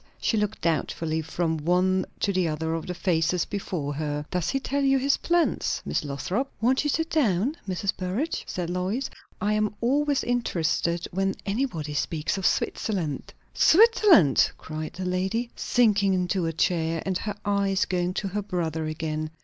She looked doubtfully from one to the other of the faces before her. "Does he tell you his plans, Miss Lothrop?" "Won't you sit down, Mrs. Burrage?" said Lois. "I am always interested when anybody speaks of Switzerland." "Switzerland!" cried the lady, sinking into a chair, and her eyes going to her brother again.